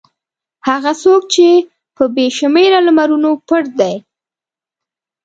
هغه څوک چې په بې شمېره لمرونو پټ دی.